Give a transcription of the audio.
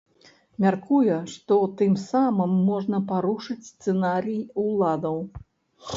Мяркуе, што тым самым можна парушыць сцэнарый уладаў.